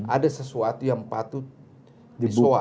ada sesuatu yang patut dibawa